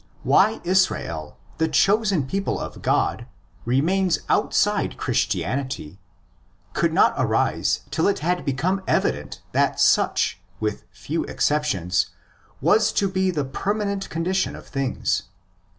why Israel, the chosen people of God, remains outside Christianity, could not arise till it had become evident that such, with few exceptions, was to be the per manent condition of things.